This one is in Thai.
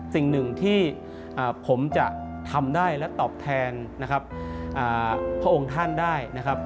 สิ่งหนึ่งที่ผมจะทำได้และตอบแทนนะครับพระองค์ท่านได้นะครับ